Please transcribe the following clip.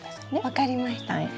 分かりました。